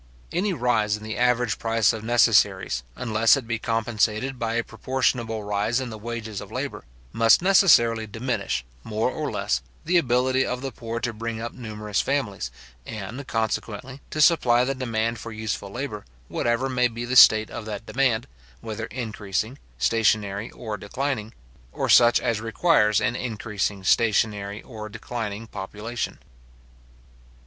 Any rise in the average price of necessaries, unless it be compensated by a proportionable rise in the wages of labour, must necessarily diminish, more or less, the ability of the poor to bring up numerous families, and, consequently, to supply the demand for useful labour; whatever may be the state of that demand, whether increasing, stationary, or declining; or such as requires an increasing, stationary, or declining population.